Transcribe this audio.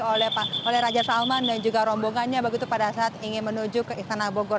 oleh raja salman dan juga rombongannya begitu pada saat ingin menuju ke istana bogor